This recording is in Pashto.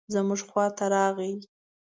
زموږ خواته راغی.